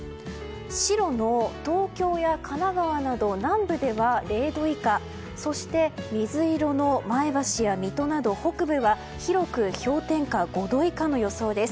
白の東京や神奈川など南部では０度以下そして水色の前橋や水戸など北部は広く氷点下５度以下の予想です。